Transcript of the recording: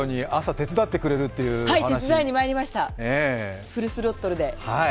手伝いに来ました、フルスロットルで。